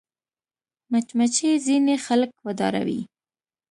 مچمچۍ ځینې خلک وډاروي